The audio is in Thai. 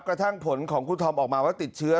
กระทั่งผลของคุณธอมออกมาว่าติดเชื้อ